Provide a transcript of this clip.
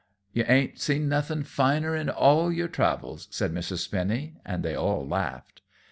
"You ain't seen nothing finer in all your travels," said Mrs. Spinny, and they all laughed.